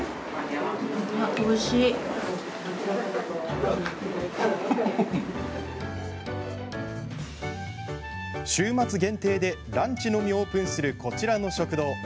週末限定でランチのみオープンするこちらの食堂。